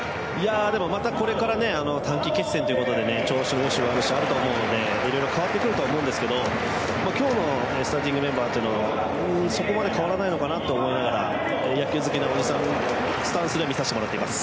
またこれから短期決戦ということで調子の良し悪しはあると思いますので、いろいろと変わってくると思いますが今日のスターティングメンバーはそこまで変わらないのかなと思いながら野球好きなおじさんのスタンスで見させていただいています。